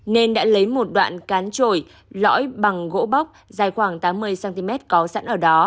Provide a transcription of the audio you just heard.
nên đã lấy một đoạn cán trồi lõi bằng gỗ bóc dài khoảng tám mươi cm có sẵn ở đó